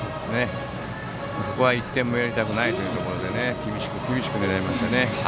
ここは１点もやりたくないというところで厳しく、厳しく狙いましたね。